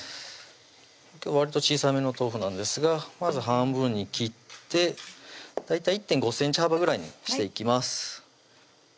今日わりと小さめの豆腐なんですがまず半分に切って大体１．５ｃｍ幅ぐらいにしていきます